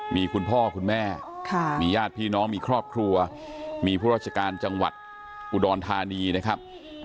มีคุณพ่อคุณแม่มีญาติพี่น้องมีครอบครัวมีผู้ราชการจังหวัดอุดรธานีนะครับ